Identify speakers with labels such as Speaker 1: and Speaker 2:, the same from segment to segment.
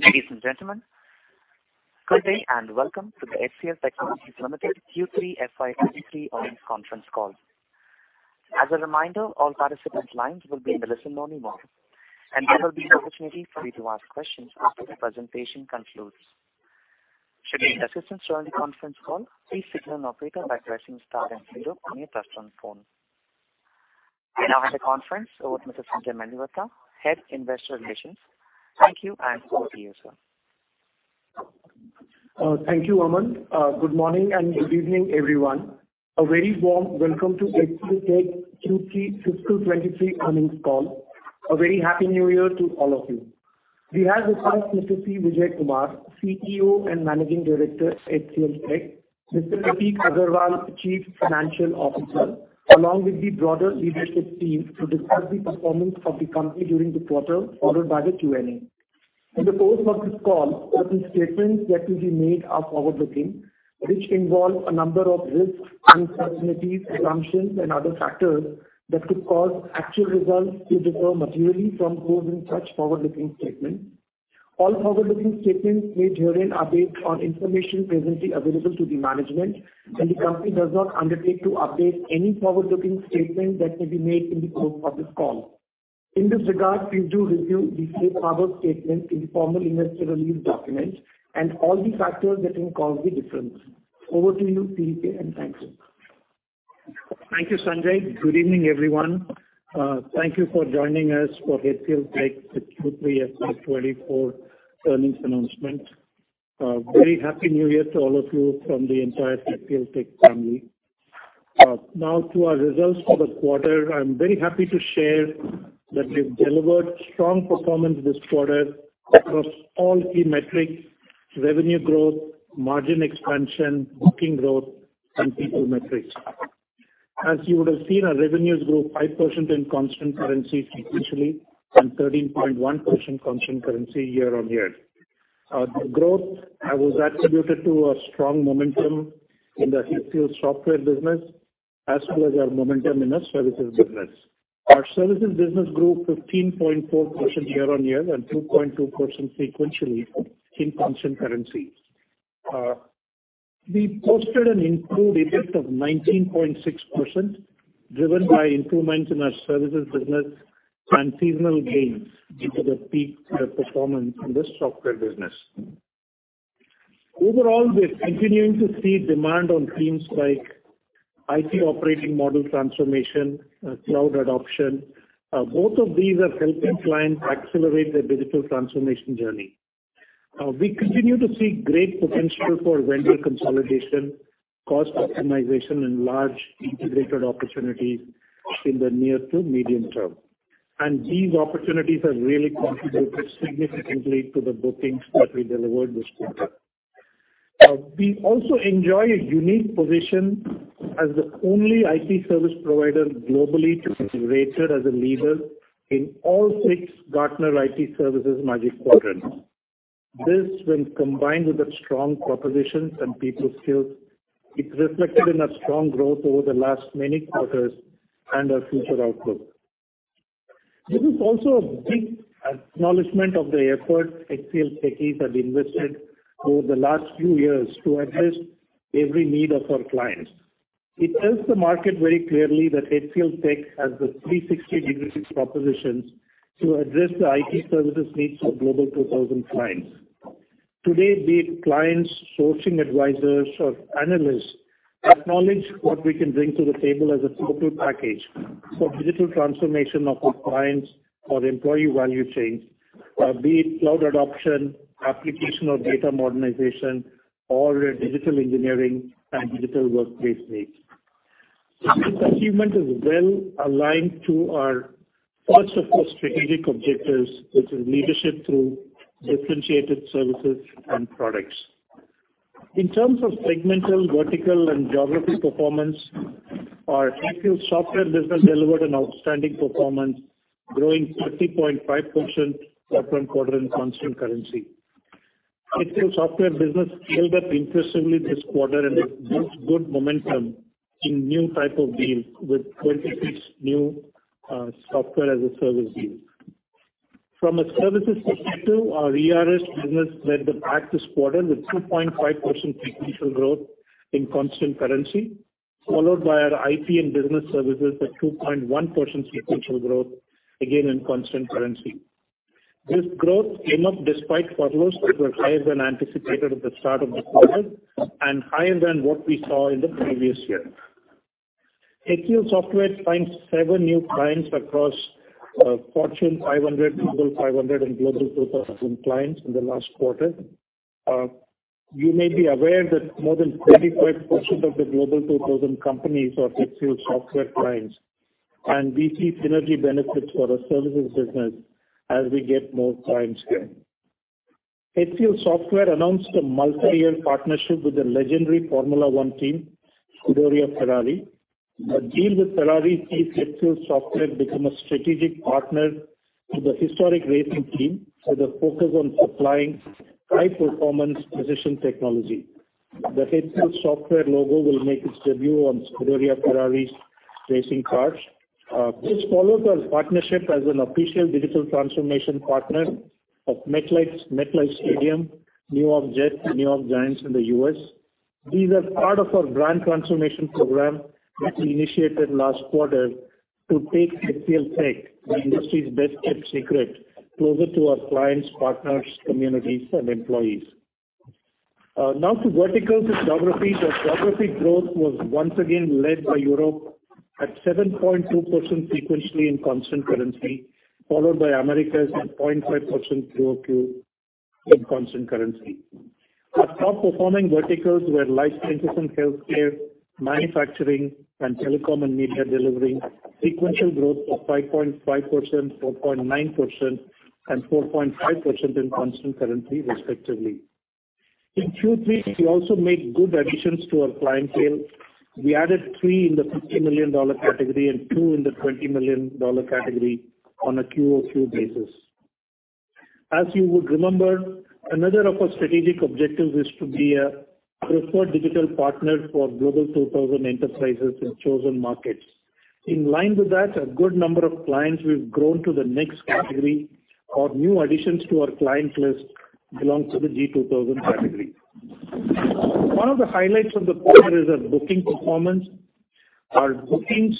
Speaker 1: Ladies and gentlemen, good day, welcome to the HCL Technologies Limited Q3 FY23 earnings conference call. As a reminder, all participant lines will be in the listen-only mode. There will be an opportunity for you to ask questions after the presentation concludes. Should you need assistance during the conference call, please signal an operator by pressing * then 0 on your touch-tone phone. We now have the conference over to Mr. Sanjay Mendiratta, Head Investor Relations. Thank you. Over to you, sir.
Speaker 2: Thank you, Aman. Good morning and good evening, everyone. A very warm welcome to HCLTech Q3 fiscal 23 earnings call. A very happy New Year to all of you. We have with us Mr. C. Vijayakumar, CEO and Managing Director at HCLTech, Mr. Prateek Aggarwal, Chief Financial Officer, along with the broader leadership team to discuss the performance of the company during the quarter, followed by the Q&A. In the course of this call, certain statements that will be made are forward-looking, which involve a number of risks, uncertainties, assumptions, and other factors that could cause actual results to differ materially from those in such forward-looking statements. All forward-looking statements made herein are based on information presently available to the management. The company does not undertake to update any forward-looking statement that may be made in the course of this call. In this regard, please do review the safe harbor statement in the formal investor release document and all the factors that can cause the difference. Over to you, VK, and thank you.
Speaker 3: Thank you, Sanjay. Good evening, everyone. Thank you for joining us for HCLTech's Q3 FY 2024 earnings announcement. Very happy New Year to all of you from the entire HCLTech family. Now to our results for the quarter. I'm very happy to share that we've delivered strong performance this quarter across all key metrics, revenue growth, margin expansion, booking growth, and people metrics. As you would have seen, our revenues grew 5% in constant currency sequentially and 13.1% constant currency year-on-year. The growth was attributed to a strong momentum in the HCLSoftware business as well as our momentum in our services business. Our services business grew 15.4% year-on-year and 2.2% sequentially in constant currency. We posted an improved effect of 19.6%, driven by improvements in our services business and seasonal gains due to the peak performance in the software business. Overall, we're continuing to see demand on themes like IT operating model transformation, cloud adoption. Both of these are helping clients accelerate their digital transformation journey. We continue to see great potential for vendor consolidation, cost optimization, and large integrated opportunities in the near to medium term. These opportunities have really contributed significantly to the bookings that we delivered this quarter. We also enjoy a unique position as the only IT service provider globally to be rated as a leader in all six Gartner IT services Magic Quadrants. This, when combined with the strong propositions and people skills, it reflected in our strong growth over the last many quarters and our future outlook. This is also a big acknowledgement of the effort HCL Techies have invested over the last few years to address every need of our clients. It tells the market very clearly that HCLTech has the three sixty degrees propositions to address the IT services needs of Global 2000 clients. Today, the clients, sourcing advisors or analysts acknowledge what we can bring to the table as a total package for digital transformation of our clients or employee value chains, be it cloud adoption, application or data modernization or digital engineering and digital workplace needs. This achievement is well aligned to our first of the strategic objectives, which is leadership through differentiated services and products. In terms of segmental, vertical, and geographic performance, our HCLSoftware business delivered an outstanding performance, growing 30.5% quarter-on-quarter in constant currency. HCLSoftware business scaled up impressively this quarter and it built good momentum in new type of deals with 26 new software as a service deals. From a services perspective, our ERS business led the pack this quarter with 2.5% sequential growth in constant currency, followed by our IT and Business Services at 2.1% sequential growth, again, in constant currency. This growth came up despite furloughs that were higher than anticipated at the start of the quarter and higher than what we saw in the previous year. HCLSoftware signed 7 new clients across Fortune 500, Global 500 and Global 2000 clients in the last quarter. You may be aware that more than 25% of the Global 2000 companies are HCL Software clients, and we see synergy benefits for our services business as we get more clients here. HCL Software announced a multi-year partnership with the legendary Formula One team, Scuderia Ferrari. The deal with Ferrari sees HCL Software become a strategic partner to the historic racing team with a focus on supplying high-performance precision technology. The HCLSoftware logo will make its debut on Scuderia Ferrari's racing cars. This follows our partnership as an official digital transformation partner of MetLife's MetLife Stadium, New York Jets, and New York Giants in the U.S. These are part of our brand transformation program that we initiated last quarter to take HCLTech, the industry's best-kept secret, closer to our clients, partners, communities, and employees. Now to vertical geography. Geography growth was once again led by Europe at 7.2% sequentially in constant currency, followed by Americas at 0.5% QoQ in constant currency. Our top performing verticals were life sciences and healthcare, manufacturing, and telecom and media, delivering sequential growth of 5.5%, 4.9%, and 4.5% in constant currency respectively. In Q3, we also made good additions to our client base. We added 3 in the $50 million category and 2 in the $20 million category on a QoQ basis. As you would remember, another of our strategic objectives is to be a preferred digital partner for Global 2000 enterprises in chosen markets. In line with that, a good number of clients we've grown to the next category or new additions to our client list belong to the G2000 category. One of the highlights of the quarter is our booking performance. Our bookings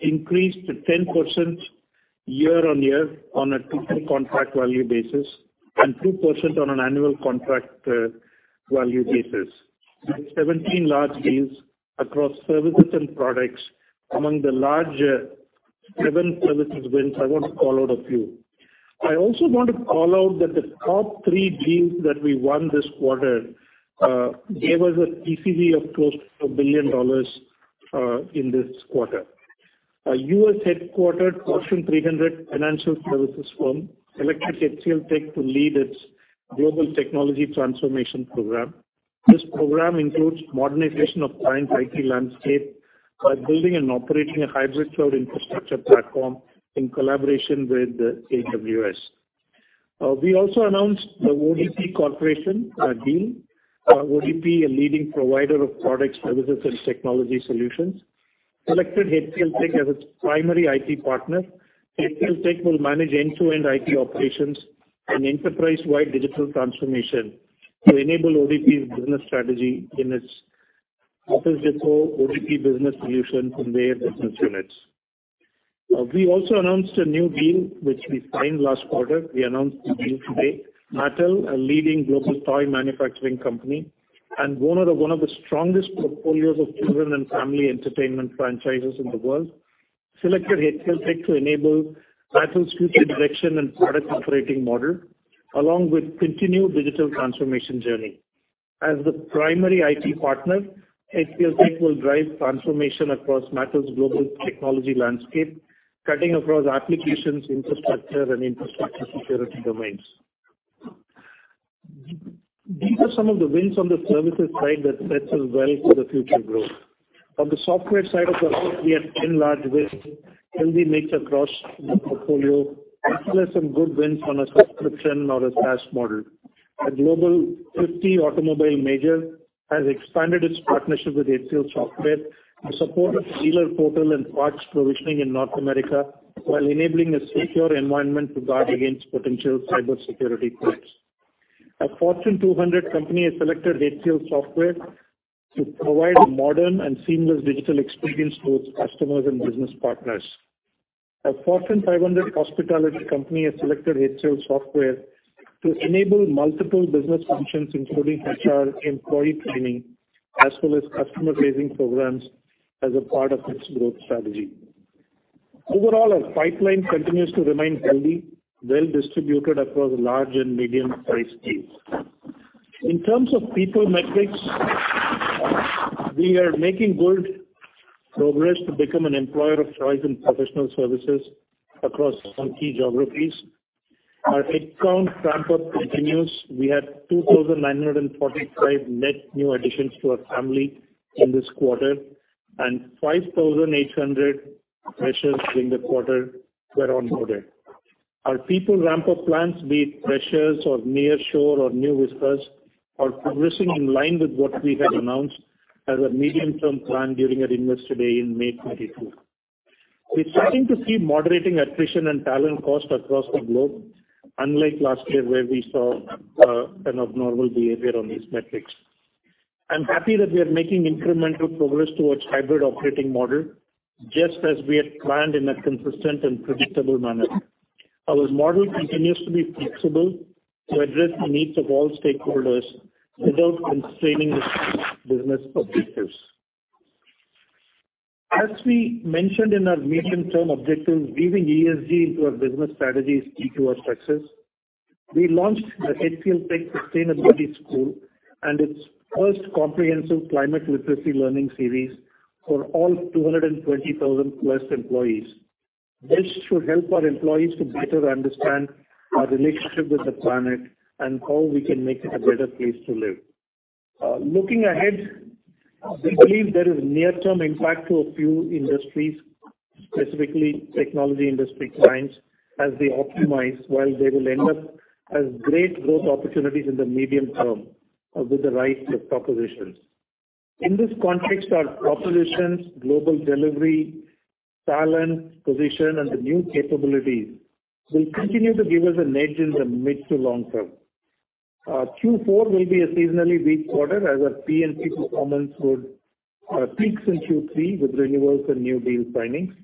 Speaker 3: increased to 10% year-on-year on a total contract value basis and 2% on an annual contract value basis. 17 large deals across services and products. Among the larger 7 services wins, I want to call out a few. I also want to call out that the top 3 deals that we won this quarter gave us a TCV of close to $1 billion in this quarter. A US-headquartered Fortune 300 financial services firm selected HCLTech to lead its global technology transformation program. This program includes modernization of client IT landscape by building and operating a hybrid cloud infrastructure platform in collaboration with AWS. We also announced The ODP Corporation deal. ODP, a leading provider of products, services, and technology solutions, selected HCLTech as its primary IT partner. HCLTech will manage end-to-end IT operations and enterprise-wide digital transformation to enable ODP's business strategy in its Office Depot ODP business solution from their business units. We also announced a new deal which we signed last quarter. We announced the deal today. Mattel, a leading global toy manufacturing company, and owner of one of the strongest portfolios of children and family entertainment franchises in the world, selected HCLTech to enable Mattel's future direction and product operating model, along with continued digital transformation journey. As the primary IT partner, HCLTech will drive transformation across Mattel's global technology landscape, cutting across applications, infrastructure, and infrastructure security domains. These are some of the wins on the services side that sets us well for the future growth. On the software side of the house, we have 10 large wins, healthy mix across the portfolio, plus some good wins on a subscription or a SaaS model. A Global 50 automobile major has expanded its partnership with HCLSoftware to support its dealer portal and parts provisioning in North America while enabling a secure environment to guard against potential cybersecurity threats. A Fortune 200 company has selected HCLSoftware to provide a modern and seamless digital experience to its customers and business partners. A Fortune 500 hospitality company has selected HCLSoftware to enable multiple business functions, including HR employee planning, as well as customer facing programs as a part of its growth strategy. Overall, our pipeline continues to remain healthy, well distributed across large and medium-sized deals. In terms of people metrics, we are making good progress to become an employer of choice in professional services across some key geographies. Our headcount ramp-up continues. We had 2,945 net new additions to our family in this quarter, and 5,800 freshers in the quarter were onboarded. Our people ramp-up plans, be it freshers or nearshore or New Vistas, are progressing in line with what we had announced as a medium-term plan during our Investor Day 2022 in May 2022. We're starting to see moderating attrition and talent cost across the globe, unlike last year, where we saw an abnormal behavior on these metrics. I'm happy that we are making incremental progress towards hybrid operating model just as we had planned in a consistent and predictable manner. Our model continues to be flexible to address the needs of all stakeholders without constraining the business objectives. As we mentioned in our medium-term objectives, weaving ESG into our business strategy is key to our success. We launched the HCLTech Sustainability School and its first comprehensive climate literacy learning series for all 220,000 plus employees. This should help our employees to better understand our relationship with the planet and how we can make it a better place to live. Looking ahead. We believe there is near-term impact to a few industries, specifically technology industry clients, as they optimize, while they will end up as great growth opportunities in the medium term, with the right propositions. In this context, our propositions, global delivery, talent, position, and the new capabilities will continue to give us an edge in the mid to long term. Q4 will be a seasonally weak quarter as our P&P performance would peaks in Q3 with renewals and new deal signings.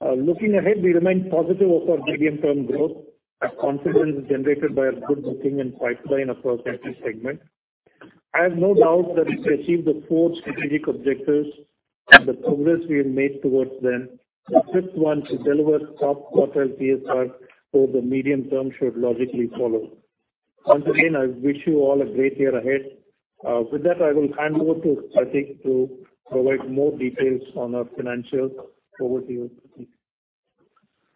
Speaker 3: Looking ahead, we remain positive of our medium-term growth. Our confidence is generated by a good booking and pipeline across every segment. I have no doubt that if we achieve the four strategic objectives and the progress we have made towards them, the fifth one, to deliver top quartile CSR over the medium term should logically follow. Once again, I wish you all a great year ahead. With that, I will hand over to Prateek to provide more details on our financials. Over to you, Prateek.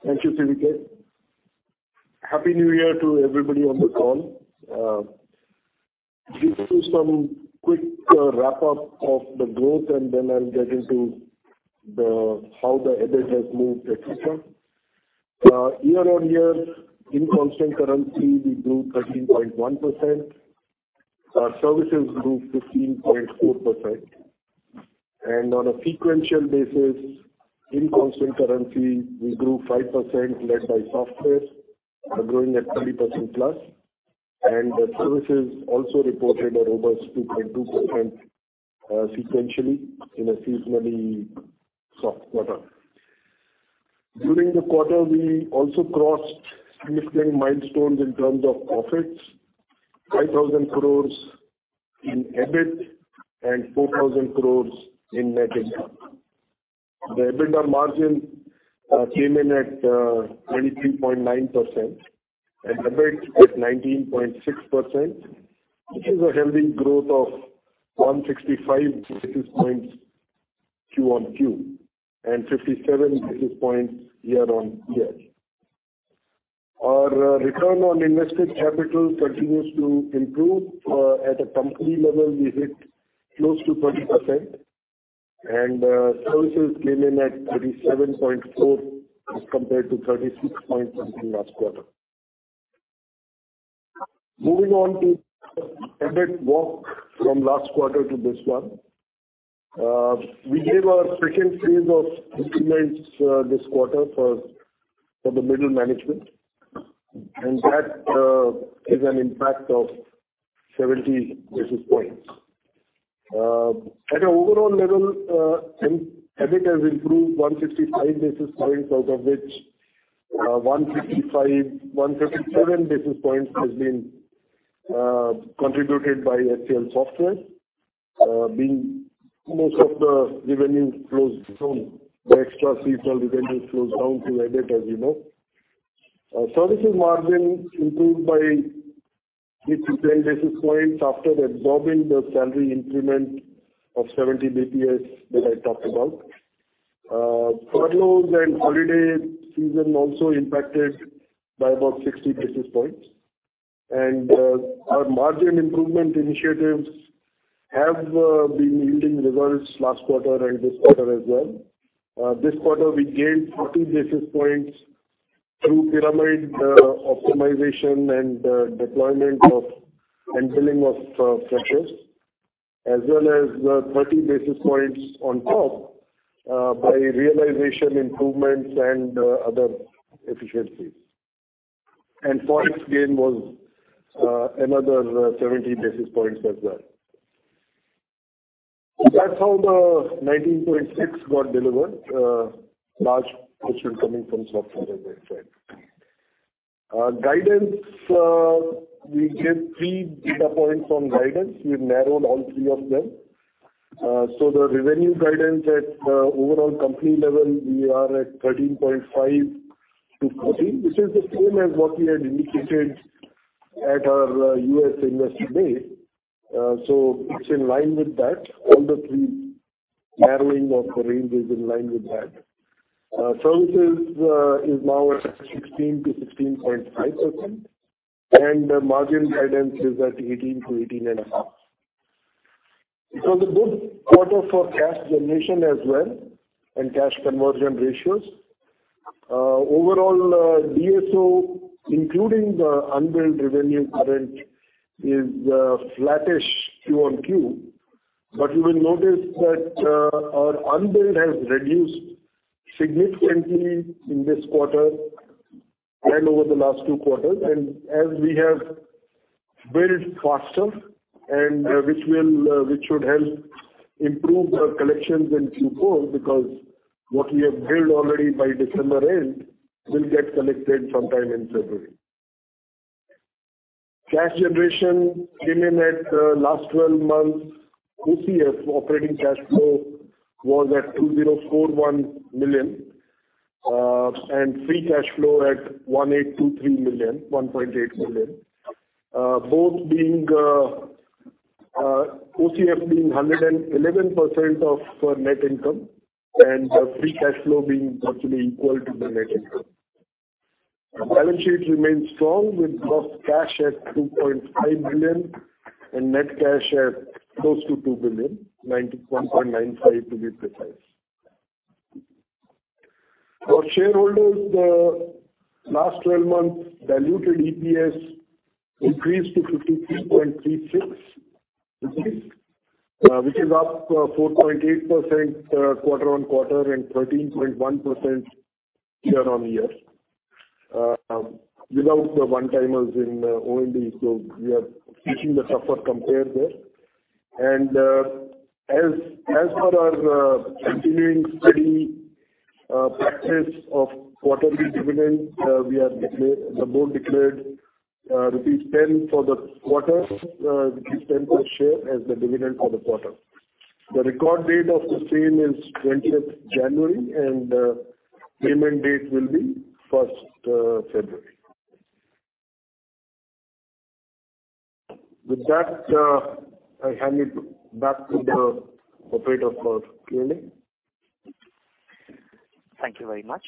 Speaker 4: Thank you, CVK. Happy New Year to everybody on the call. Give you some quick wrap up of the growth, and then I'll get into how the EBIT has moved, et cetera. Year-on-year in constant currency, we grew 13.1%. Our services grew 15.4%. On a sequential basis, in constant currency, we grew 5% led by software, growing at 20%+. Services also reported a robust 2.2% sequentially in a seasonally soft quarter. During the quarter, we also crossed significant milestones in terms of profits, 5,000 crores in EBIT and 4,000 crores in net income. The EBITDA margin came in at 23.9% and EBIT at 19.6%, which is a healthy growth of 165 basis points Q-on-Q and 57 basis points year-on-year. Our return on invested capital continues to improve. At a company level, we hit close to 20%. Services came in at 37.4% as compared to 36.something% last quarter. Moving on to EBIT walk from last quarter to this one. We gave our second phase of increments this quarter for the middle management, and that is an impact of 70 basis points. At an overall level, EBIT has improved 165 basis points, out of which 157 basis points has been contributed by HCLSoftware, being most of the revenue flows down. The extra C4 revenue flows down to EBIT, as you know. Services margin improved by fifty-ten basis points after absorbing the salary increment of 70 basis points that I talked about. Furloughs and holiday season also impacted by about 60 basis points. Our margin improvement initiatives have been yielding results last quarter and this quarter as well. This quarter, we gained 40 basis points through pyramid optimization and deployment of and billing of freshers. As well as 30 basis points on top by realization improvements and other efficiencies. Points gain was another 70 basis points as well. That's how the 19.6 got delivered, large portion coming from software as I said. Guidance, we gave 3 data points on guidance. We've narrowed all 3 of them. The revenue guidance at the overall company level, we are at 13.5%-14%, which is the same as what we had indicated at our US Investor Day. It's in line with that. All the three narrowing of the range is in line with that. Services is now at 16%-16.5%. Margin guidance is at 18%-18.5%. It was a good quarter for cash generation as well and cash conversion ratios. Overall, DSO, including the unbilled revenue current, is flattish Q-on-Q. You will notice that our unbilled has reduced significantly in this quarter and over the last two quarters. As we have billed faster, which will, which should help improve our collections in Q4, because what we have billed already by December end will get collected sometime in February. Cash generation came in at last 12 months OCF, operating cash flow, was at $2,041 million. Free cash flow at 1,823 million, 1.8 million. Both being, OCF being 111% of net income and free cash flow being virtually equal to the net income.
Speaker 3: The balance sheet remains strong with gross cash at $2.5 billion and net cash at close to $2 billion, 91.95 to be precise. For shareholders, the last 12 months diluted EPS increased to 53.36 rupees, which is up 4.8% quarter-on-quarter and 13.1% year-on-year, without the one-timers in O&D. We are facing the tougher compare there. As per our continuing steady practice of quarterly dividend, we have declared—the board declared rupees 10 for the quarter, rupees 10 per share as the dividend for the quarter. The record date of the same is January 20 and payment date will be February 1. With that, I hand it back to the operator for Q&A.
Speaker 1: Thank you very much.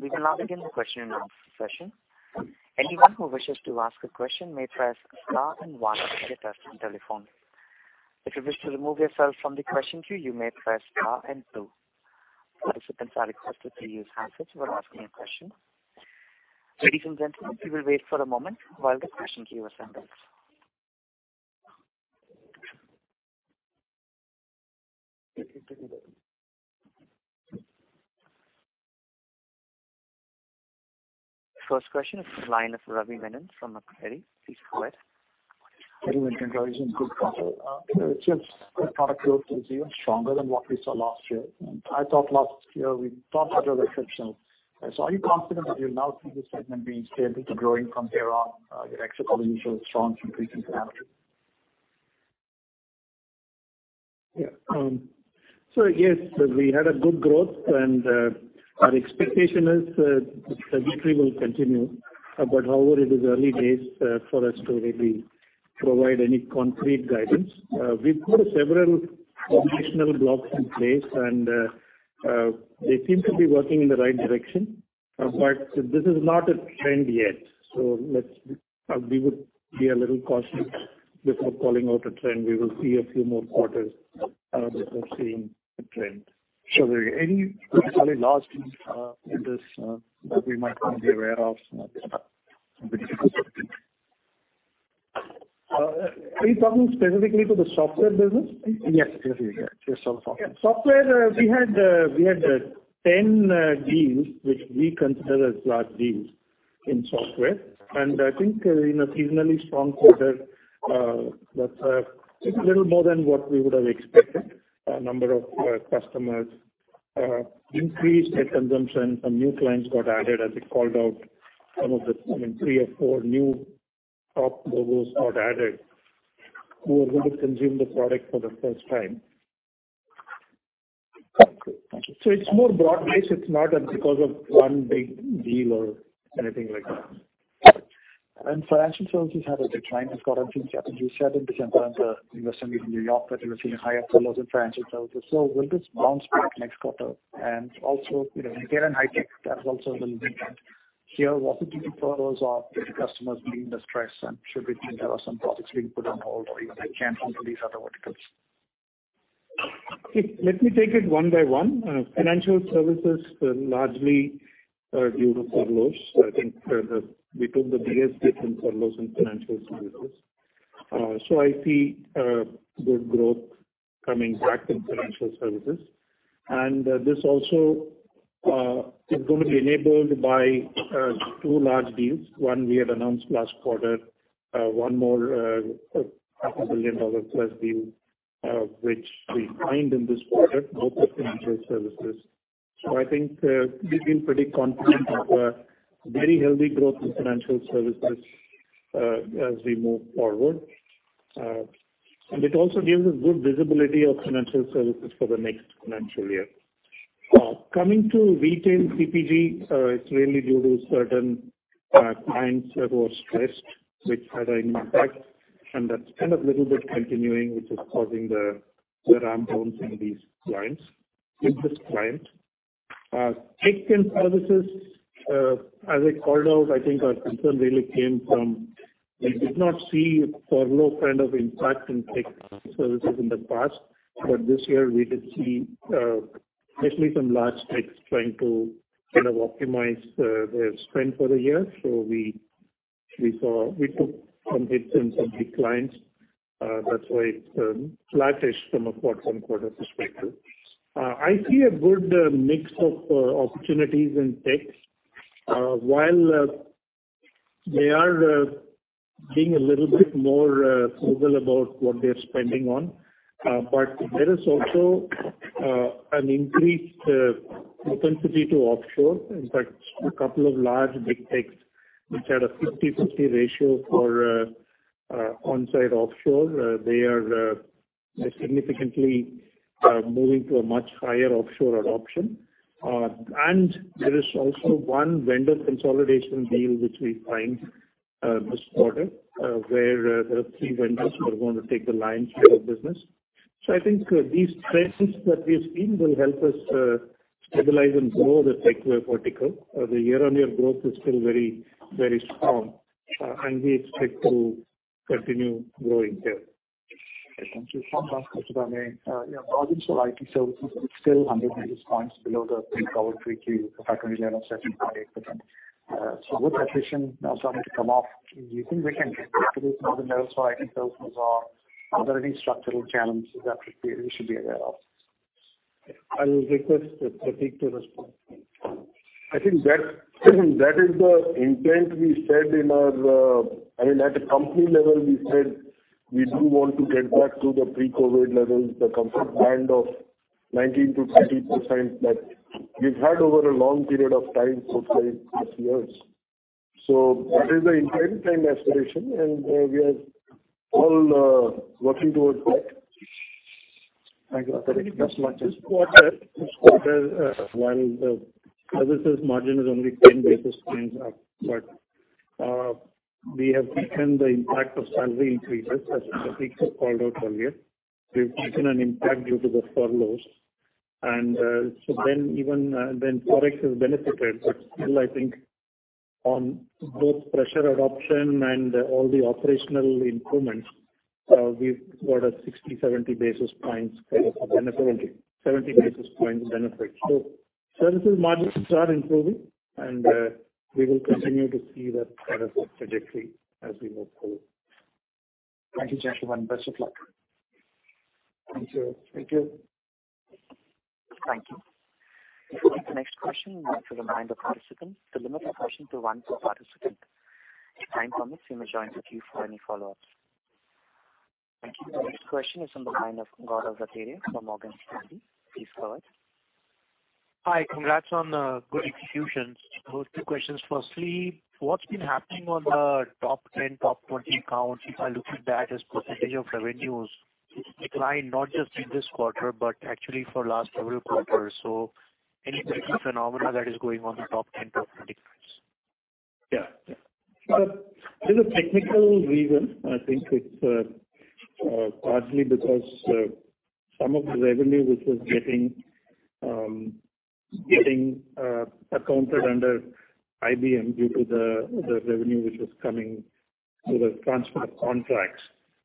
Speaker 1: We can now begin the question-and-answer session. Anyone who wishes to ask a question may press * and 1 on your telephone. If you wish to remove yourself from the question queue, you may press * and 2. Participants are requested to use handsets when asking a question. Ladies and gentlemen, we will wait for a moment while the question queue assembles. First question is the line of Ravi Menon from Macquarie. Please go ahead.
Speaker 5: Good morning, guys, and good quarter. It seems the product growth is even stronger than what we saw last year. I thought last year we talked about the exception. Are you confident that you'll now see this segment being stable to growing from here on? Your exit call initial is strong from recent activity.
Speaker 3: Yes, we had a good growth and our expectation is that the trajectory will continue. However, it is early days for us to really provide any concrete guidance. We've got several foundational blocks in place and they seem to be working in the right direction. This is not a trend yet. We would be a little cautious before calling out a trend. We will see a few more quarters before seeing a trend.
Speaker 5: Sure. Any particularly large wins, in this, that we might not be aware of
Speaker 3: Are you talking specifically to the software business?
Speaker 5: Yes, yes. Yes, software.
Speaker 3: Software, we had 10 deals which we consider as large deals in software. I think in a seasonally strong quarter, that's a little more than what we would have expected. A number of customers increased their consumption. Some new clients got added, as I called out some of the, I mean, 3 or 4 new top logos got added who are going to consume the product for the first time.
Speaker 5: Okay. Thank you.
Speaker 3: It's more broad-based. It's not because of one big deal or anything like that.
Speaker 5: Financial services had a decline this quarter from 77 to 70. In the summer meet in New York that you were seeing higher furloughs in financial services. Will this bounce back next quarter? Also, in care and high-tech that's also a little weak. Here what could be the cause of the customers being distressed? Should we think there are some projects being put on hold or even they can't come to these other verticals?
Speaker 3: Let me take it 1 by 1. Financial services largely are due to furloughs. I think we took the biggest hit in furloughs in financial services. I see good growth coming back in financial services. This also is going to be enabled by 2 large deals. One we had announced last quarter, one more, half a billion dollar plus deal, which we find in this quarter, both of financial services. I think we've been pretty confident of a very healthy growth in financial services as we move forward. It also gives us good visibility of financial services for the next financial year. Coming to retail CPG, it's really due to certain clients that were stressed which had an impact and that's kind of little bit continuing which is causing the ramp down with this client. Tech services, as I called out I think our concern really came from we did not see furlough kind of impact in tech services in the past. This year we did see especially some large techs trying to kind of optimize their spend for the year. We took some hits in some big clients, that's why it's flattish from a quarter-on-quarter perspective. I see a good mix of opportunities in tech, while they are being a little bit more frugal about what they're spending on. There is also an increased propensity to offshore. In fact, a couple of large big techs which had a 50/50 ratio for onsite offshore, they are significantly moving to a much higher offshore adoption. There is also one vendor consolidation deal which we find this quarter, where there are three vendors who are going to take the lines of business. So I think these trends that we've seen will help us stabilize and grow the techware vertical. The year-on-year growth is still very, very strong, and we expect to continue growing there. Thank you.
Speaker 5: Yeah, margins for IT services is still 100 basis points below the pre-COVID trajectory levelof 7.8%. With attrition now starting to come off, do you think we can get back to those normal notes for IT services, or are there any structural challenges that we should be aware of?
Speaker 3: I will request Prateek to respond.
Speaker 4: I think that is the intent we said in our, I mean, at a company level, we said we do want to get back to the pre-COVID levels, the company band of 19%-20% that we've had over a long period of time for 5+ years. That is the intent and aspiration, and we are all working towards that.
Speaker 5: Thank you, Prateek. Best of luck.
Speaker 4: This quarter, while the Services margin is only 10 basis points up, we have taken the impact of salary increases, as Prateek had called out earlier. We've taken an impact due to the furloughs. Even ForEx has benefited. Still, I think on both pressure adoption and all the operational improvements, we've got a 60, 70 basis points benefit. Services margins are improving, and we will continue to see that kind of trajectory as we move forward.
Speaker 5: Thank you, gentlemen. Best of luck.
Speaker 3: Thank you. Thank you.
Speaker 1: Thank you. We'll take the next question from the line of participants. To limit a question to one per participant. If time permits, we may join with you for any follow-ups. Thank you. The next question is from the line of Gaurav Rateria from Morgan Stanley. Please go ahead.
Speaker 6: Hi. Congrats on good execution. 2 questions. Firstly, what's been happening on the top 10, top 20 accounts? If I look at that as % of revenues, it's declined not just in this quarter but actually for last several quarters. Any particular phenomena that is going on the top 10, top 20 accounts?
Speaker 3: Yeah. There's a technical reason. I think it's partly because some of the revenue which was getting accounted under IBM due to the revenue which was coming with the transfer of contracts.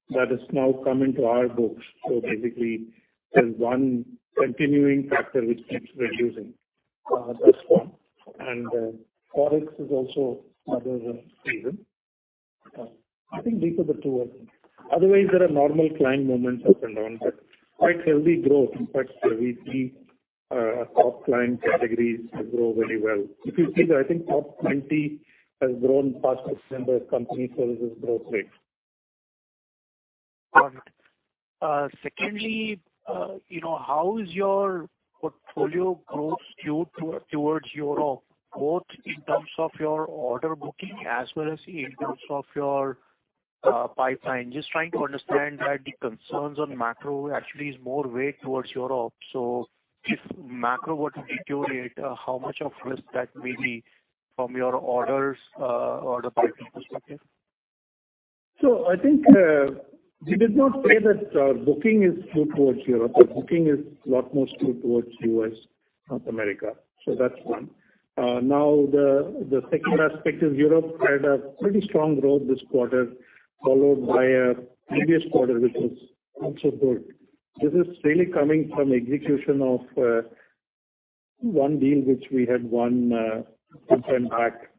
Speaker 3: That is now coming to our books. Basically there's one continuing factor which keeps reducing this one. ForEx is also another reason. I think these are the two of them. Otherwise, there are normal client moments up and down, but quite healthy growth. In fact, we see our top client categories grow very well. If you see that, I think top 20 has grown faster than the company services growth rate.
Speaker 6: Got it. Secondly, how is your portfolio growth skewed towards Europe, both in terms of your order booking as well as in terms of your pipeline? Just trying to understand that the concerns on macro actually is more weight towards Europe. If macro were to deteriorate, how much of risk that may be from your orders, or the pipeline perspective?
Speaker 3: I think, we did not say that booking is skewed towards Europe. The booking is a lot more skewed towards U.S., North America. That's one. Now the second aspect is Europe had a pretty strong growth this quarter, followed by previous quarter, which was also good. This is really coming from execution of one deal which we had won some time back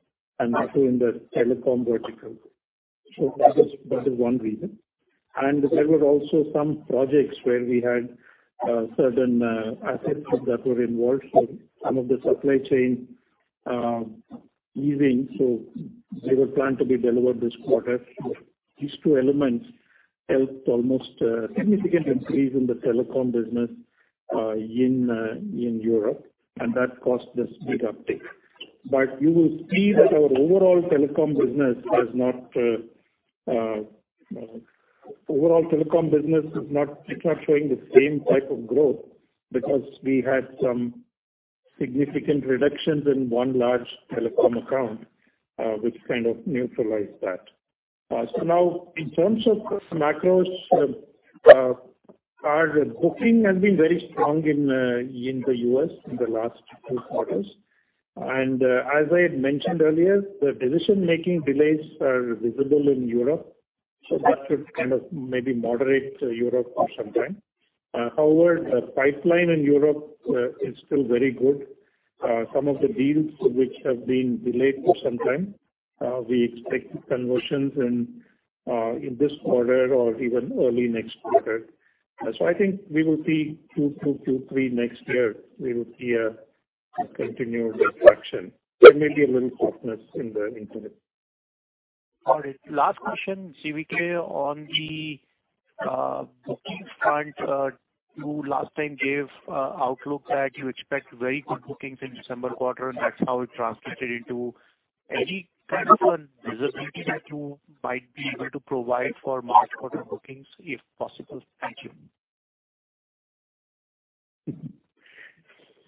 Speaker 3: and also in the telecom vertical. That is, that is one reason. And there were also some projects where we had certain assets that were involved. Some of the supply chain easing, they were planned to be delivered this quarter. These two elements helped almost a significant increase in the telecom business in Europe, and that caused this big uptick. You will see that our overall telecom business is not showing the same type of growth because we had some significant reductions in one large telecom account, which kind of neutralized that. Now in terms of macros, our booking has been very strong in the US in the last two quarters. As I had mentioned earlier, the decision-making delays are visible in Europe, so that should kind of maybe moderate Europe for some time. However, the pipeline in Europe is still very good. Some of the deals which have been delayed for some time, we expect conversions in this quarter or even early next quarter. I think we will see two, three next year. We will see a continued reduction. There may be a little softness in the interim.
Speaker 6: All right. Last question, CVK, on the booking front. you last time gave a outlook that you expect very good bookings in December quarter, that's how it translated into any kind of a visibility that you might be able to provide for March quarter bookings, if possible? Thank you.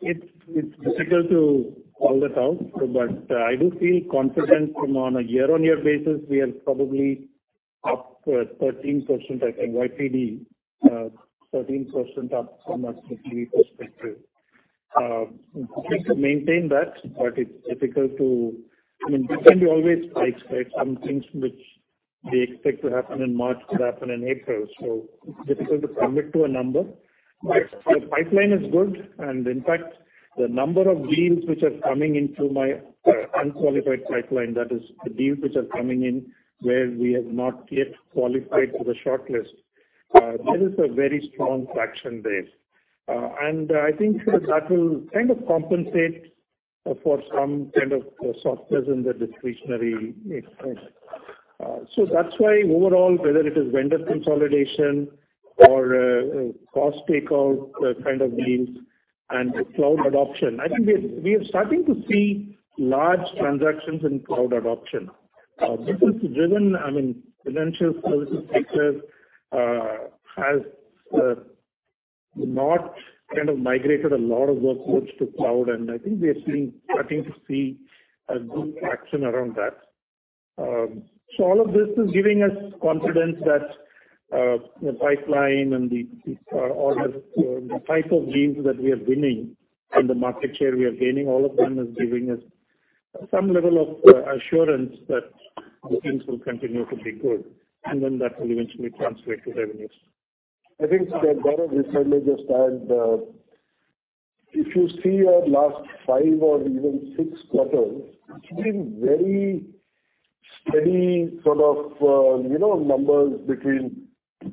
Speaker 3: It's difficult to call that out. I do feel confident from on a year-over-year basis, we are probably up 13%, I think YoY, 13% up from a 13 perspective. We think to maintain that, it's difficult to. I mean, we can't be always spikes, right? Some things which we expect to happen in March could happen in April, it's difficult to commit to a number. The pipeline is good, and in fact, the number of deals which are coming into my unqualified pipeline, that is the deals which are coming in where we have not yet qualified for the shortlist, that is a very strong traction there. I think that will kind of compensate for some kind of softness in the discretionary expense. That's why overall, whether it is vendor consolidation or cost takeout kind of deals and cloud adoption, I think we are starting to see large transactions in cloud adoption. This is driven, I mean, financial services sector has not kind of migrated a lot of workloads to cloud, and I think we are starting to see a good traction around that. All of this is giving us confidence that the pipeline and the order, the type of deals that we are winning and the market share we are gaining, all of them is giving us some level of assurance that things will continue to be good, and then that will eventually translate to revenues.
Speaker 4: I think, sir, Gaurav has highlighted that, if you see our last five or even six quarters, it's been very steady sort of numbers between $2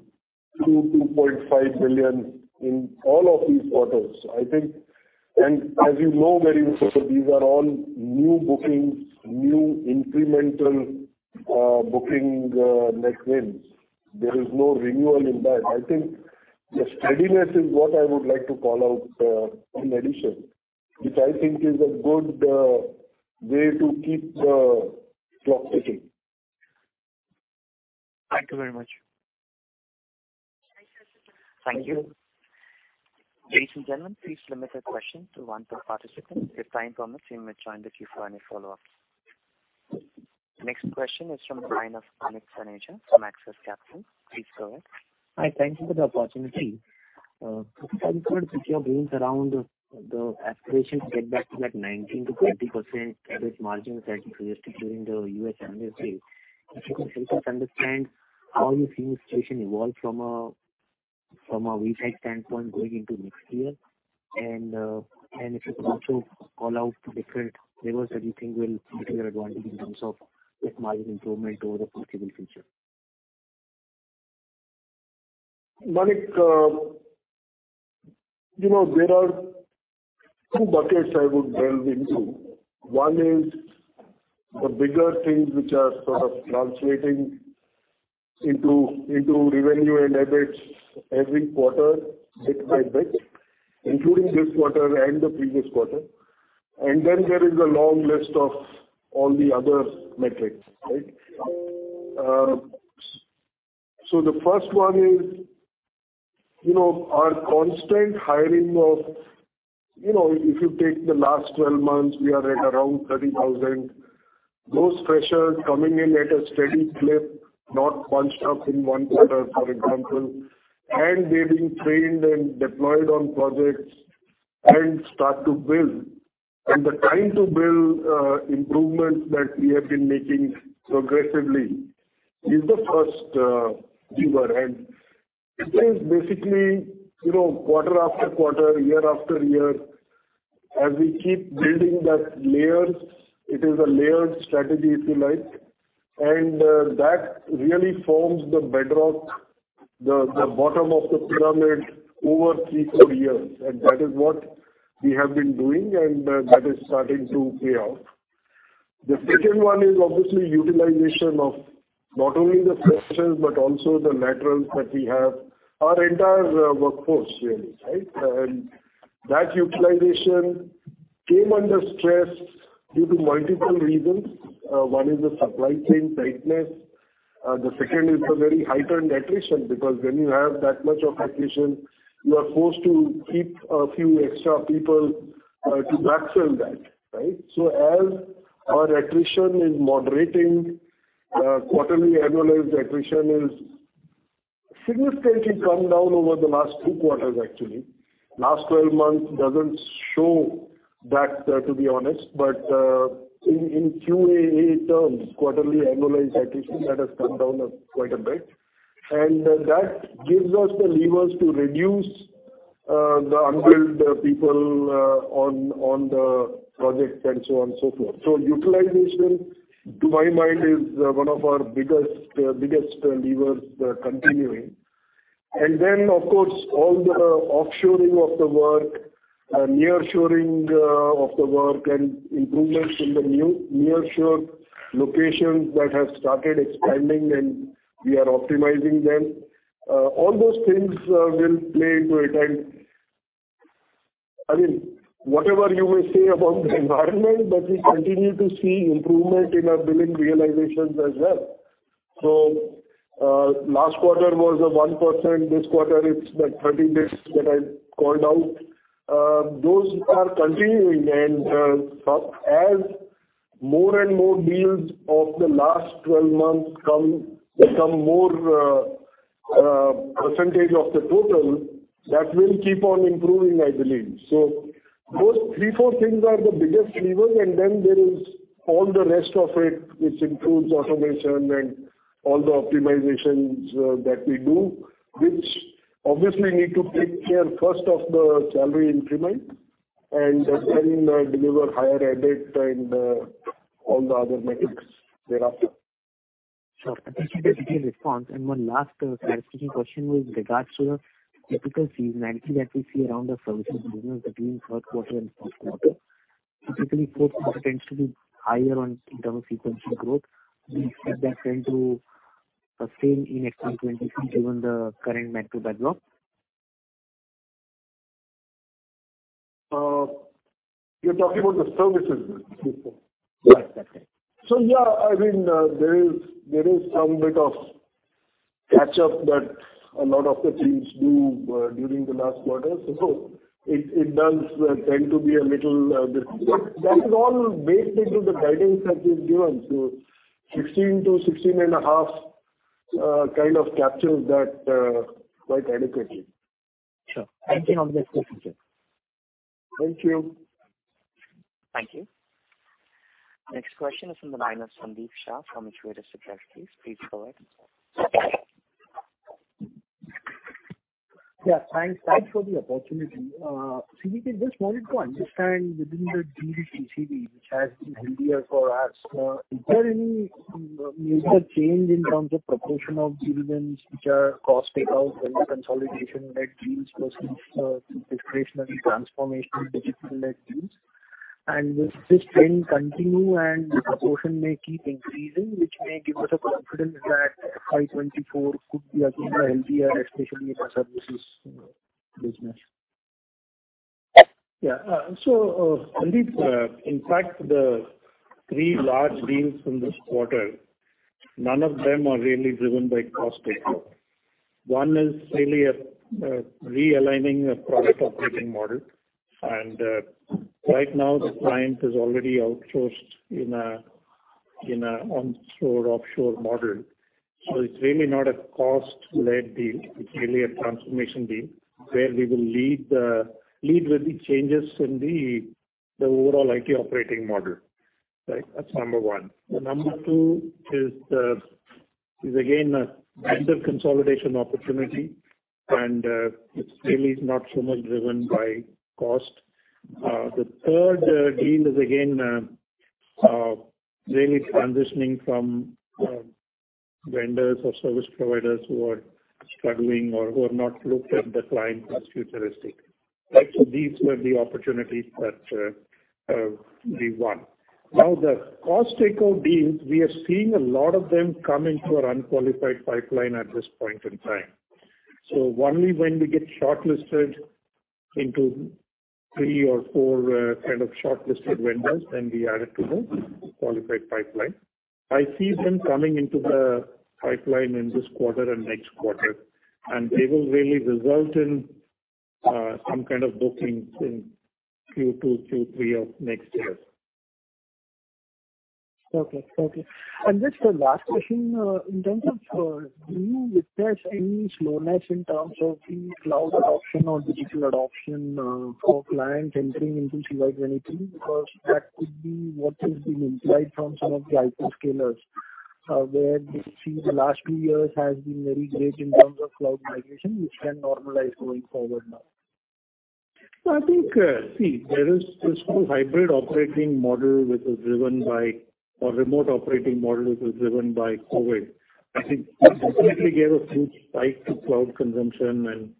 Speaker 4: billion-$2.5 billion in all of these quarters. I think, as you know very well, sir, these are all new bookings, new incremental, booking, net wins. There is no renewal in that. I think the steadiness is what I would like to call out, in addition, which I think is a good, way to keep the clock ticking.
Speaker 6: Thank you very much.
Speaker 1: Thank you. Ladies and gentlemen, please limit your question to one per participant. If time permits, you may join the queue for any follow-ups. Next question is from the line of Manik Taneja from Axis Capital. Please go ahead.
Speaker 7: Hi. Thank you for the opportunity. Pankaj Kapoor, with your views around the aspiration to get back to that 19%-20% EBIT margin that you suggested during the US earnings day, if you can help us understand how you see the situation evolve from a V-shaped standpoint going into next year. If you could also call out the different levers that you think will give you an advantage in terms of EBIT margin improvement over the foreseeable future.
Speaker 4: Manik, there are two buckets I would delve into. One is the bigger things which are sort of translating into revenue and EBIT every quarter bit by bit, including this quarter and the previous quarter. Then there is a long list of all the other metrics, right? So the first one is our constant hiring of, if you take the last 12 months, we are at around 30,000. Those freshers coming in at a steady clip, not bunched up in one quarter, for example, and they're being trained and deployed on projects and start to build. The time to build improvements that we have been making progressively is the first giver. It is basically, quarter after quarter, year after year, as we keep building that layers, it is a layered strategy, if you like. That really forms the bedrock, the bottom of the pyramid over three, four years. That is what we have been doing, and that is starting to pay off. The second one is obviously utilization of not only the freshers, but also the laterals that we have, our entire workforce really, right? That utilization came under stress due to multiple reasons. One is the supply chain tightness. The second is the very heightened attrition, because when you have that much of attrition, you are forced to keep a few extra people, to backfill that, right? As our attrition is moderating, quarterly annualized attrition is significantly come down over the last two quarters, actually. Last 12 months doesn't show that to be honest. In QAA terms, quarterly annualized attrition, that has come down quite a bit. That gives us the levers to reduce the unbilled people on the projects and so on and so forth. Utilization, to my mind, is one of our biggest levers continuing. Then of course, all the offshoring of the work, nearshoring of the work and improvements in the new nearshore locations that have started expanding and we are optimizing them. All those things will play into it, and.
Speaker 3: I mean, whatever you may say about the environment, but we continue to see improvement in our billing realizations as well. last quarter was a 1%, this quarter it's that 13 days that I called out. Those are continuing and as more and more deals of the last 12 months come, become more % of the total, that will keep on improving, I believe. Those 3, 4 things are the biggest levers. There is all the rest of it, which includes automation and all the optimizations that we do, which obviously need to take care first of the salary increment and then deliver higher EBIT and all the other metrics thereafter.
Speaker 7: Sure. Thank you for the detailed response. One last clarification question with regards to the typical seasonality that we see around the services business between third quarter and fourth quarter. Typically, fourth quarter tends to be higher in terms of sequential growth. Do you expect that trend to stay in FY23, given the current macro backdrop?
Speaker 3: You're talking about the services business?
Speaker 7: Yes, that's right.
Speaker 3: Yeah, I mean, there is some bit of catch up that a lot of the teams do during the last quarter, so it does tend to be a little. That is all baked into the guidance that we've given. 16%-16.5% kind of captures that quite adequately.
Speaker 7: Sure. Thank you. I have next question, sir.
Speaker 3: Thank you.
Speaker 1: Thank you. Next question is from the line of Sandeep Shah from Equirus Securities. Please go ahead.
Speaker 8: Yeah, thanks. Thanks for the opportunity. CV, just wanted to understand within the deals you see, which has been healthier for us, is there any major change in terms of proportion of deals which are cost takeout vendor consolidation-led deals versus discretionary transformation digital-led deals? Will this trend continue and the proportion may keep increasing, which may give us a confidence that FY 2024 could be again a healthier, especially in the services business?
Speaker 3: Yeah. So, Sandeep, in fact, the three large deals from this quarter, none of them are really driven by cost takeout. One is really a realigning a product operating model. Right now the client is already outsourced in a onshore-offshore model. It's really not a cost-led deal. It's really a transformation deal where we will lead with the changes in the overall IT operating model. Right? That's number one. The number two is again a vendor consolidation opportunity, and it's really not so much driven by cost. The third deal is again really transitioning from vendors or service providers who are struggling or who have not looked at the client as futuristic. Right. These were the opportunities that we won. Now, the cost takeout deals, we are seeing a lot of them come into our unqualified pipeline at this point in time. Only when we get shortlisted into 3 or 4 kind of shortlisted vendors, then we add it to the qualified pipeline. I see them coming into the pipeline in this quarter and next quarter, and they will really result in some kind of bookings in Q2, Q3 of next year.
Speaker 8: Okay. Okay. Just a last question, in terms of, do you witness any slowness in terms of the cloud adoption or digital adoption, for clients entering into CY 2023? That could be what has been implied from some of the hyperscalers, where we see the last two years has been very great in terms of cloud migration, which can normalize going forward now.
Speaker 3: I think, see there is this new hybrid operating model or remote operating model which was driven by COVID. I think it definitely gave a huge spike to cloud consumption.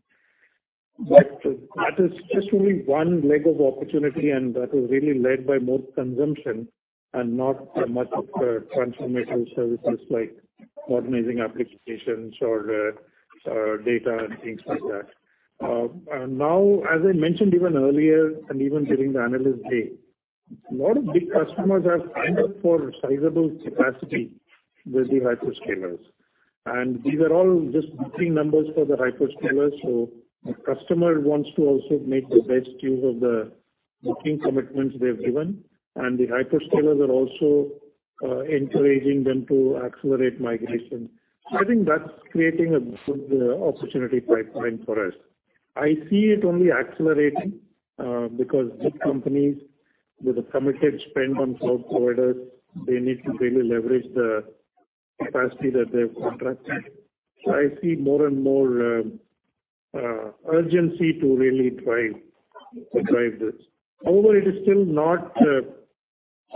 Speaker 3: That is just only one leg of opportunity, and that was really led by more consumption and not much of the transformative services like modernizing applications or data and things like that. Now as I mentioned even earlier and even during the analyst day, a lot of big customers have signed up for sizable capacity with the hyperscalers, and these are all just booking numbers for the hyperscalers. The customer wants to also make the best use of the booking commitments they've given, and the hyperscalers are also encouraging them to accelerate migration. I think that's creating a good opportunity pipeline for us. I see it only accelerating, because big companies with a committed spend on cloud providers, they need to really leverage the capacity that they've contracted. I see more and more urgency to really drive this. It is still not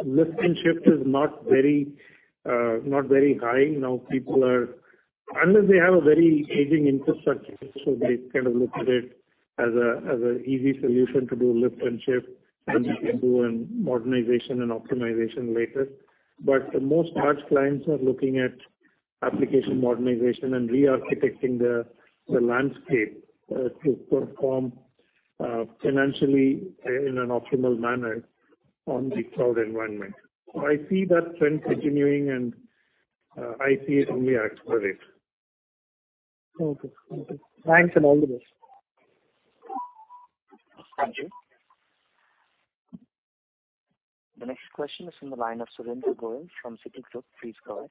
Speaker 3: lift and shift is not very high. Unless they have a very aging infrastructure, so they kind of look at it as a, as an easy solution to do lift and shift, and they can do a modernization and optimization later. Most large clients are looking at application modernization and rearchitecting the landscape to perform financially in an optimal manner on the cloud environment. I see that trend continuing and, I see it only accelerate.
Speaker 8: Okay. Okay. Thanks, and all the best.
Speaker 3: Thank you.
Speaker 1: The next question is from the line of Surendra Goyal from Citigroup. Please go ahead.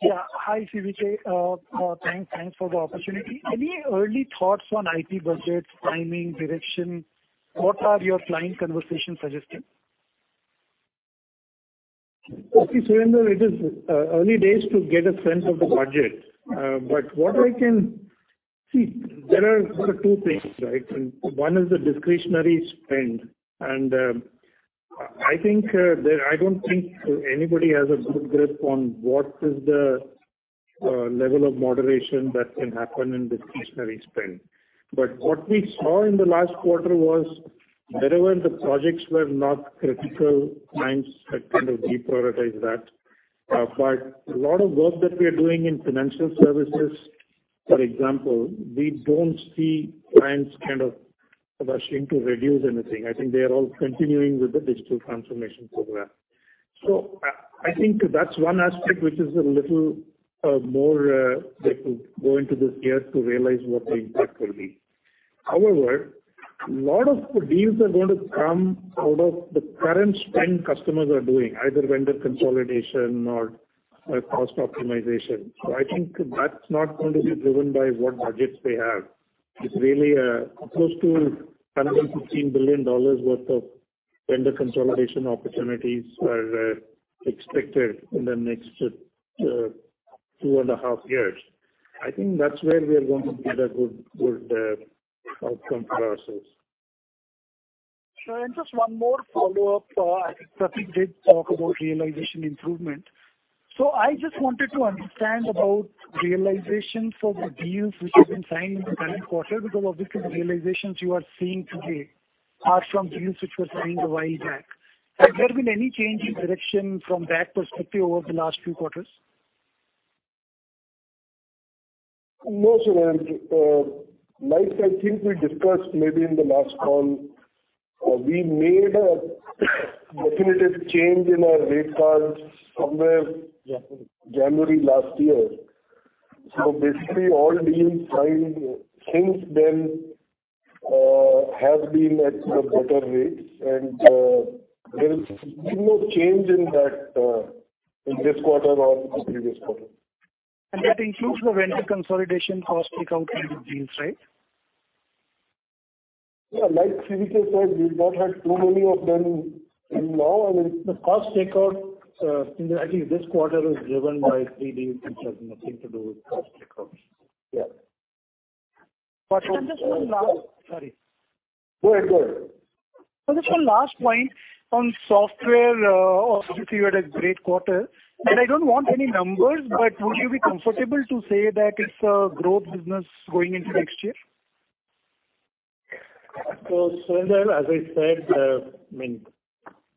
Speaker 9: Yeah. Hi, CVK. Thanks. Thanks for the opportunity. Any early thoughts on IT budgets, timing, direction? What are your client conversations suggesting?
Speaker 3: Okay, Surendra. It is early days to get a sense of the budget. What I can see, there are sort of two things, right? One is the discretionary spend, and I think I don't think anybody has a good grip on what is the level of moderation that can happen in discretionary spend. What we saw in the last quarter was wherever the projects were not critical, clients had kind of deprioritized that. A lot of work that we are doing in financial services, for example, we don't see clients kind of rushing to reduce anything. I think they are all continuing with the digital transformation program. I think that's one aspect which is a little more they could go into this year to realize what the impact will be. A lot of the deals are going to come out of the current spend customers are doing, either vendor consolidation or cost optimization. I think that's not going to be driven by what budgets they have. It's really close to $10 billion-$15 billion worth of vendor consolidation opportunities are expected in the next 2.5 years. I think that's where we are going to get a good outcome for ourselves.
Speaker 9: Sure. Just one more follow-up. I think Prateek did talk about realization improvement. I just wanted to understand about realizations of the deals which have been signed in the current quarter. Because obviously the realizations you are seeing today are from deals which were signed a while back. Has there been any change in direction from that perspective over the last few quarters?
Speaker 3: No, Surendra. like I think we discussed maybe in the last call, we made a definitive change in our rate cards somewhere January last year. Basically all deals signed since then, have been at the better rates. There has been no change in that, in this quarter or the previous quarter.
Speaker 9: That includes the vendor consolidation cost takeout kind of deals, right?
Speaker 3: Yeah. Like CVK said, we've not had too many of them in law. I mean. The cost takeout, in actually this quarter is driven by three deals which has nothing to do with cost takeouts. Yeah.
Speaker 9: Just one.
Speaker 3: Go ahead.
Speaker 9: Sorry.
Speaker 3: Go ahead. Go ahead.
Speaker 9: Just one last point on software. Obviously you had a great quarter, and I don't want any numbers, but would you be comfortable to say that it's a growth business going into next year?
Speaker 3: Surendra, as I said, I mean,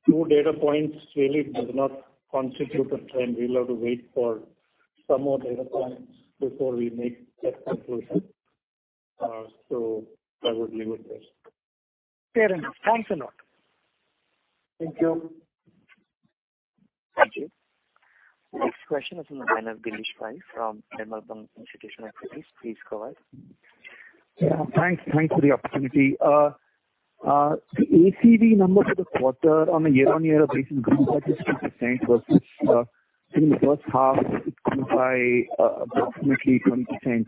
Speaker 3: 2 data points really does not constitute a trend. We'll have to wait for some more data points before we make that conclusion. I would leave it there.
Speaker 9: Fair enough. Thanks a lot.
Speaker 3: Thank you.
Speaker 1: Thank you. The next question is from the line of Girish Pai from Edelweiss Institutional Equities. Please go ahead.
Speaker 10: Yeah, thanks. Thanks for the opportunity. The ACV number for the quarter on a year-on-year basis grew by 2% versus in the first half it grew by approximately 20%.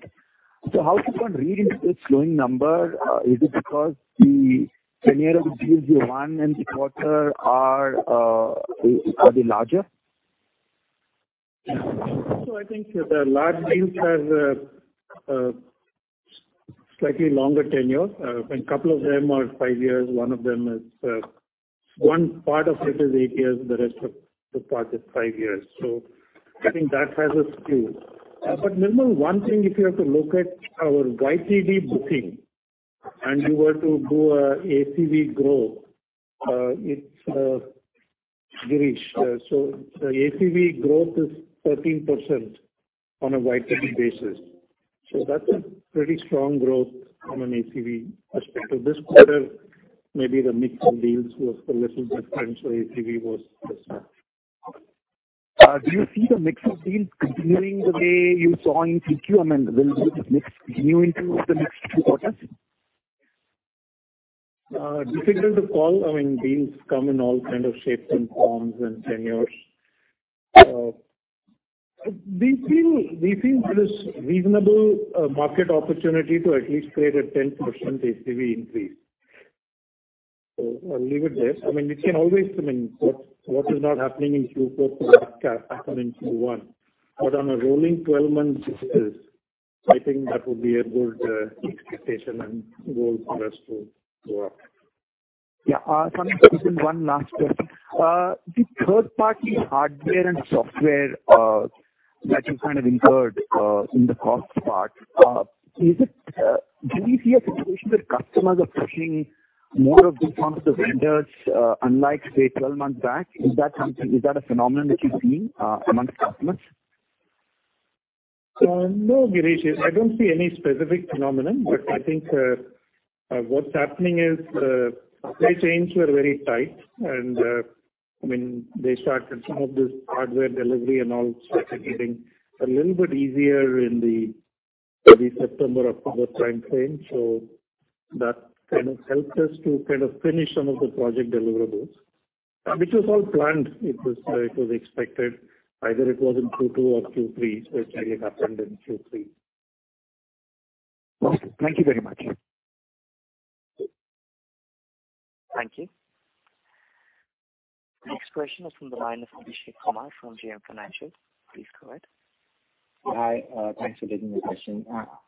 Speaker 10: How can one read into this slowing number? Is it because the tenure of the deals you won in the quarter are they larger?
Speaker 3: I think the large deals have a slightly longer tenure. A couple of them are 5 years. One of them is one part of it is 8 years, the rest of the part is 5 years. I think that has a skew. Nirmal, one thing if you have to look at our YTD booking and you were to do a ACV growth, it's Girish. ACV growth is 13% on a YTD basis. That's a pretty strong growth on an ACV aspect. This quarter maybe the mix of deals was a little different, so ACV was this much.
Speaker 10: Do you see the mix of deals continuing the way you saw in Q I mean, will this mix continue into the next two quarters?
Speaker 3: Difficult to call. I mean, deals come in all kind of shapes and forms and tenures. We feel there is reasonable market opportunity to at least create a 10% ACV increase. I'll leave it there. I mean, it can always, I mean, what is not happening in Q4 can happen in Q1. On a rolling 12 months basis, I think that would be a good expectation and goal for us to work.
Speaker 10: Yeah. Sunny, just one last question. The third-party hardware and software, that you kind of incurred in the cost part. Is it, do you see a situation where customers are pushing more of these onto the vendors, unlike, say, 12 months back? Is that a phenomenon that you're seeing amongst customers?
Speaker 3: No, Girish. I don't see any specific phenomenon. I think, what's happening is, supply chains were very tight, and, I mean, they started some of this hardware delivery and all started getting a little bit easier in the early September, October timeframe. That kind of helped us to kind of finish some of the project deliverables, which was all planned. It was, it was expected. Either it was in Q2 or Q3. It really happened in Q3.
Speaker 10: Okay, thank you very much.
Speaker 1: Thank you. Next question is from the line of Abhishek Kumar from JM Financial. Please go ahead.
Speaker 11: Hi, thanks for taking the question.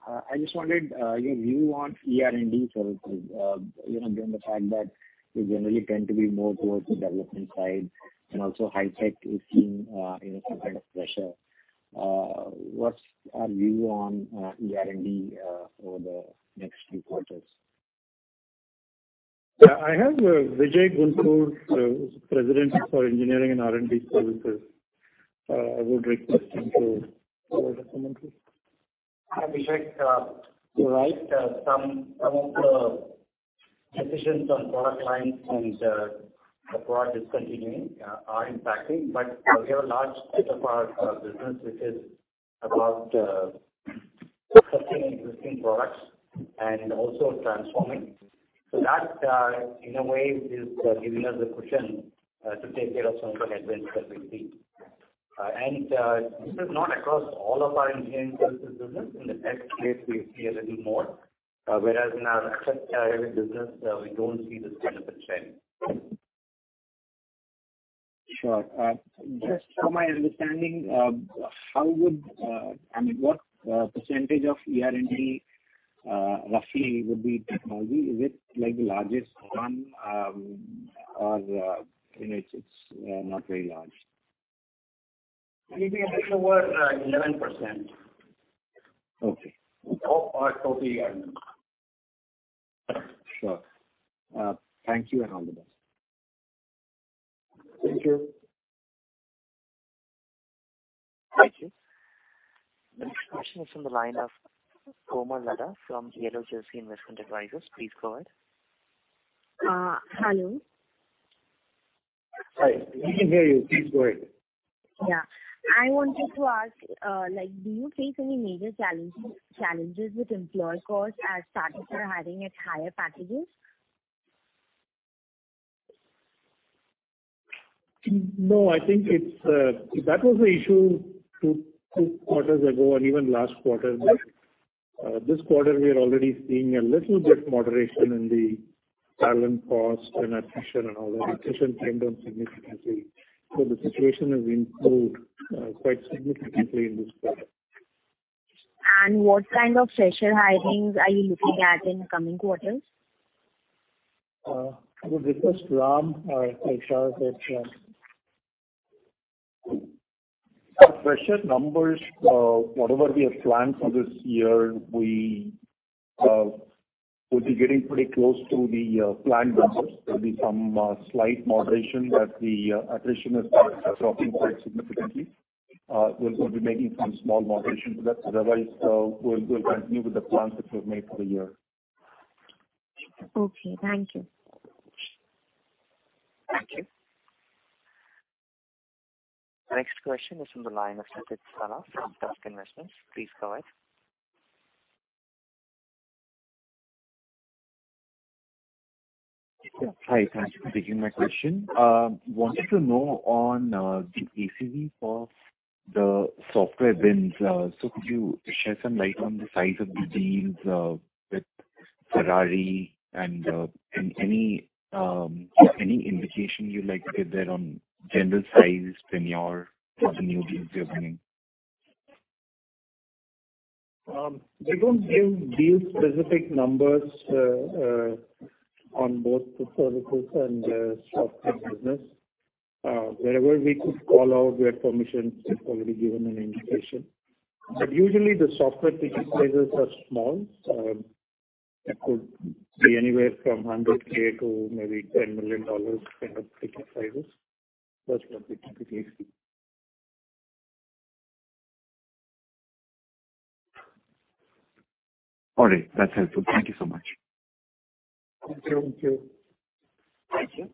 Speaker 11: I just wanted your view on ER&D services, given the fact that you generally tend to be more towards the development side and also high-tech is seeing, some kind of pressure. What's our view on ER&D over the next few quarters?
Speaker 3: Yeah. I have Vijay Guntur, who's President for Engineering and R&D Services. I would request him to give a commentary.
Speaker 12: Hi, Abhishek. You're right. Some of the decisions on product lines and the product discontinuing are impacting. We have a large part of our business which is about assessing existing products and also transforming. That in a way is giving us a cushion to take care of some of the headwinds that we see. This is not across all of our engineering services business. In the tech space, we see a little more, whereas in our asset heavy business, we don't see this kind of a change.
Speaker 11: Sure. Just for my understanding, I mean, what percentage of ER&D roughly would be technology? Is it like the largest one? It's not very large.
Speaker 12: It'll be a little over 11%.
Speaker 11: Okay.
Speaker 12: Of our total ER&D.
Speaker 11: Sure. Thank you, and all the best.
Speaker 12: Thank you.
Speaker 1: Thank you. The next question is from the line of Komal Mehta from Motilal Oswal Financial Services. Please go ahead.
Speaker 13: Hello.
Speaker 3: Hi. We can hear you. Please go ahead.
Speaker 13: Yeah. I wanted to ask, like, do you face any major challenges with employee costs as startups are hiring at higher packages?
Speaker 3: No, I think it's. That was the issue two quarters ago and even last quarter. This quarter we are already seeing a little bit moderation in the talent cost and attrition and all that. Attrition came down significantly. The situation has improved quite significantly in this quarter.
Speaker 13: What kind of fresher hirings are you looking at in the coming quarters?
Speaker 3: I would request Ram or Tushar to comment.
Speaker 12: The fresher numbers, whatever we have planned for this year, we would be getting pretty close to the planned numbers. There'll be some slight moderation, but the attrition has started dropping quite significantly. We're going to be making some small moderation to that. Otherwise, we'll continue with the plans which we've made for the year.
Speaker 13: Okay, thank you.
Speaker 3: Thank you.
Speaker 1: Next question is from the line of Sidharth Ajith from Quest Investment Advisors. Please go ahead.
Speaker 10: Yeah. Hi. Thanks for taking my question. Wanted to know on the ACV for the software bins. Could you shed some light on the size of the deals with Ferrari and any indication you'd like to give there on general size tenure for the new deals you're winning?
Speaker 3: We don't give deal-specific numbers on both the services and software business. Wherever we could call out where permission, we've already given an indication. Usually the software ticket sizes are small. It could be anywhere from $100K to maybe $10 million kind of ticket sizes. That's what we typically see.
Speaker 10: All right. That's helpful. Thank you so much.
Speaker 3: Thank you.
Speaker 1: Thank you.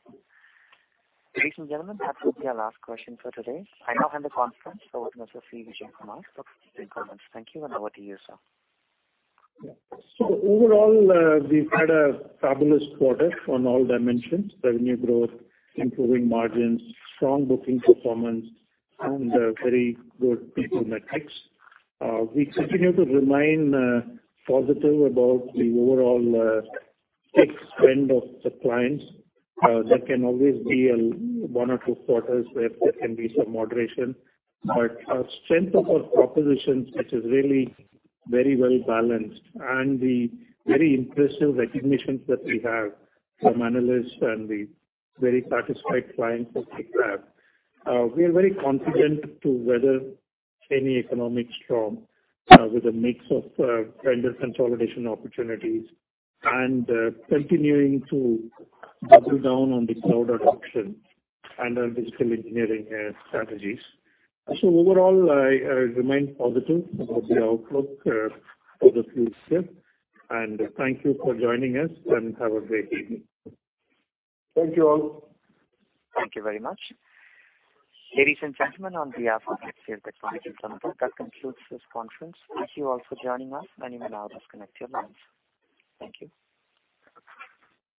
Speaker 1: Ladies and gentlemen, that will be our last question for today. I now hand the conference over to Mr. C Vijayakumar for closing comments. Thank you, and over to you, sir.
Speaker 3: Yeah. So overall, we've had a fabulous quarter on all dimensions: revenue growth, improving margins, strong booking performance and, very good people metrics. We continue to remain positive about the overall, tech spend of the clients. There can always be, 1 or 2 quarters where there can be some moderation. Our strength of our proposition, which is really very well-balanced, and the very impressive recognitions that we have from analysts and the very satisfied clients that we have, we are very confident to weather any economic storm, with a mix of, vendor consolidation opportunities and, continuing to double down on the cloud adoption and our digital engineering, strategies. So overall, I, remain positive about the outlook, for the future. Thank you for joining us and have a great evening. Thank you all.
Speaker 1: Thank you very much. Ladies and gentlemen, on behalf of HCL Technologies Limited, that concludes this conference. Thank you all for joining us, and you may now disconnect your lines. Thank you.